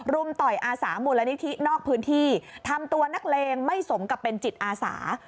ต่อยอาสามูลนิธินอกพื้นที่ทำตัวนักเลงไม่สมกับเป็นจิตอาสา